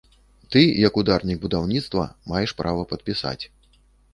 Ты, як ударнік будаўніцтва, маеш права падпісаць.